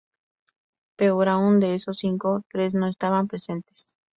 Peor aún, de esos cinco, tres no estaban presentes.